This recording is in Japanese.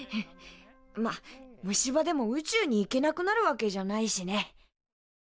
まあ虫歯でも宇宙に行けなくなるわけじゃないしね。